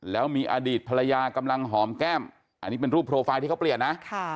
แล้วมีอดีตภรรยากำลังหอมแก้มอันนี้เป็นรูปโปรไฟล์ที่เขาเปลี่ยนนะ